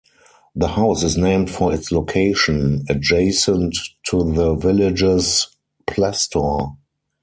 The house is named for its location - adjacent to the village's plestor.